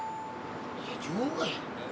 iya juga ya